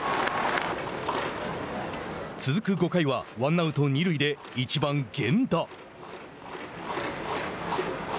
続く５回はワンアウト二塁で１番、源田。